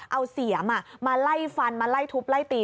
เอาเสียมมาไล่ฟันมาไล่ทุบไล่ตี